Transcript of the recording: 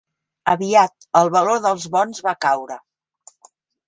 Aviat, el valor dels bons va caure.